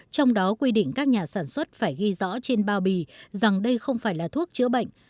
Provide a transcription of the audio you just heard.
trong đó quy định các nhà sản xuất phải ghi rõ trên bao bì rằng đây không phải là thuốc chữa bệnh